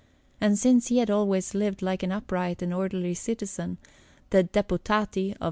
And since he had always lived like an upright and orderly citizen, the Deputati of S.